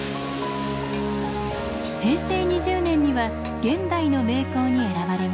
平成２０年には「現代の名工」に選ばれました。